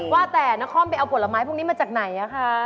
ว่าแต่นครไปเอาผลไม้พวกนี้มาจากไหนคะ